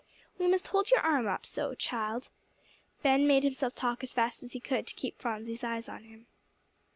We must hold your arm up, so, child." Ben made himself talk as fast as he could to keep Phronsie's eyes on him.